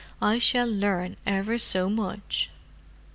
I shall learn ever so much."